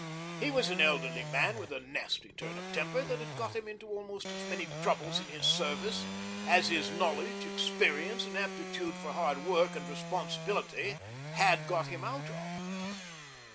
He was an elderly man with a nasty turn of temper that had got him into almost as many troubles in his service as his knowledge, experience, and aptitude for hard work and responsibility had got him out of.